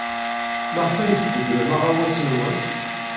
Maɣef ay tbeddlem aɣawas-nwen?